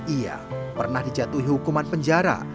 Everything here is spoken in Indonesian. ia pernah dijatuhi hukuman penjara